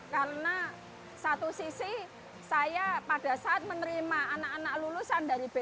karena satu sisi saya pada saat menerima anak anak lulusan dan anak anak